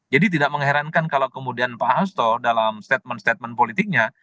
jadi tidak mengherankan kalau kemudian pak hasto dalam statement statement politiknya